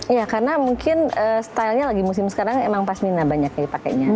iya karena mungkin stylenya lagi musim sekarang emang pas mina banyak yang dipakainya